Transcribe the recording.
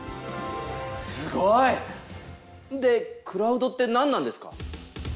すごい！でクラウドって何なんですか？